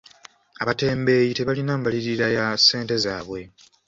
Abatembeeyi tebalina mbalirira ya ssente zaabwe.